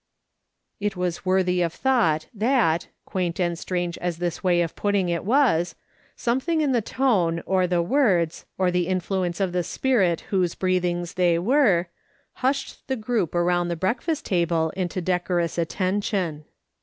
" It was worthy of thought that, quaint and strange as this way of putting it was, sometliing in the tone, or the words, or the influence of the Spirit whoso breathings they were, hushed the group around the breakfast table into decorous attention.